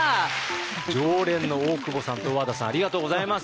常連の大久保さんと小和田さんありがとうございます。